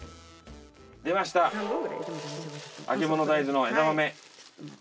出ましたあけぼの大豆の枝豆。